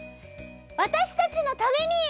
わたしたちのために！